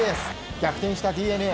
逆転したＤｅＮＡ。